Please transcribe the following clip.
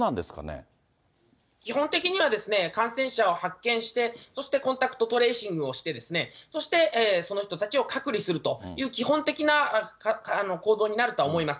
基本的には、感染者を発見して、そしてコンタクトトレーシングをして、そして、その人たちを隔離するという基本的な行動になるとは思います。